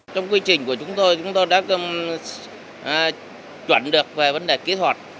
trong quy trình của chúng tôi chúng tôi đã chuẩn được về vấn đề kỹ thuật